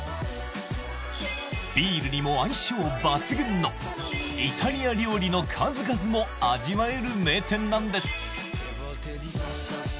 ビールにも相性抜群のイタリア料理の数々も味わえる名店なんです